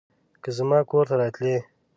که زما کور ته راتلې